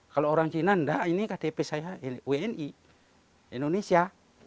kalau orang cina enggak ini ktp saya wni indonesia